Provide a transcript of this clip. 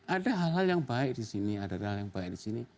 ada hal hal yang baik disini